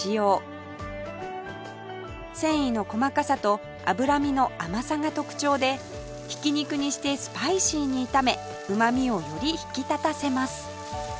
繊維の細かさと脂身の甘さが特徴でひき肉にしてスパイシーに炒めうまみをより引き立たせます